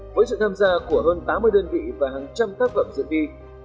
với sự tham gia của hơn tám mươi đơn vị và hàng trăm tác phẩm dự thi